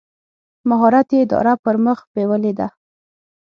مهارت یې اداره پر مخ بېولې ده.